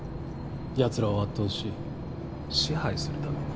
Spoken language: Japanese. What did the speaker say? やつらを圧倒し支配するために。